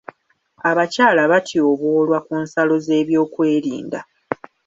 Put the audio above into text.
Abakyala batyoboolwa ku nsalo z'ebyokwerinda.